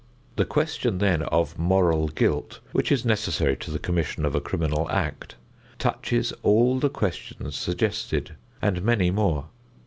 The question then of moral guilt, which is necessary to the commission of a criminal act, touches all the questions suggested and many more.